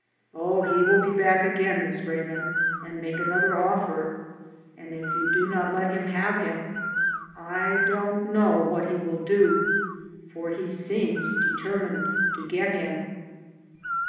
Oh, he will be back again, Miss Raymond, and make another offer, and if you do not let him have him, I don't know what he will do, for he seems determined to get him."